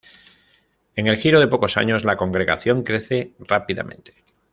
En el giro de pocos años, la congregación crece rápidamente.